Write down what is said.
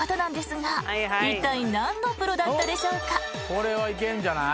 これいけんじゃない。